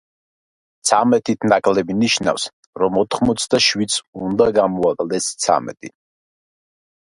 ცამეტით ნაკლები ნიშნავს, რომ ოთხმოცდაშვიდს უნდა გამოაკლდეს ცამეტი.